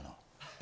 え？